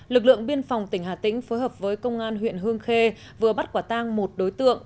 lực lượng biên phòng tỉnh hà tĩnh phối hợp với công an huyện hương khê vừa bắt quả tang một đối tượng